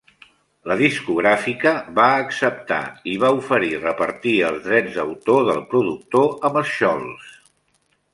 La discogràfica va acceptar i va oferir repartir els drets d'autor del productor amb Scholz.